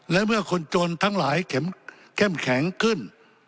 และเมื่อคนจนทั้งหลายเข็มเข้มแข็งขึ้น